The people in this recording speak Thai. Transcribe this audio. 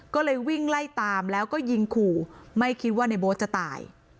ก็เลยวิ่งไล่ตามแล้วก็ยิงขู่ไม่คิดว่าในโบ๊ทจะตาย